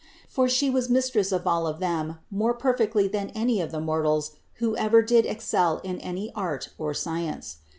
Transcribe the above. For She was Mistress of all of them more perfectly than any of the mortals who ever did excel in any art or science.